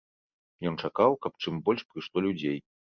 Ён чакаў, каб чым больш прыйшло людзей.